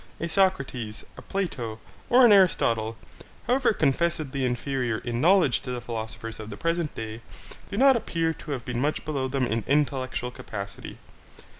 A Socrates, a Plato, or an Aristotle, however confessedly inferior in knowledge to the philosophers of the present day, do not appear to have been much below them in intellectual capacity.